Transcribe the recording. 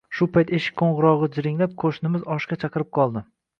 Shu payt eshik qo`ng`irog`i jiringlab, qo`shnimiz oshga chaqirib qoldi